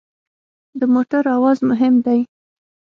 د موټر اواز مهم دی.